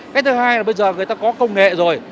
cái thứ hai là bây giờ người ta có công nghệ rồi